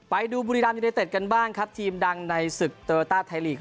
ไปดูบุรีรามยูเนเต็ดกันบ้างครับทีมดังในศึกโตโลต้าไทยลีก